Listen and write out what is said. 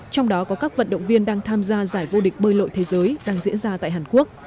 trong đó có các vận động viên đang tham gia giải vô địch bơi lội thế giới đang diễn ra tại hàn quốc